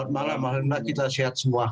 selamat malam kita sehat semua